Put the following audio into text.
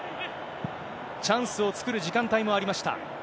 チャンスを作る時間帯もありました。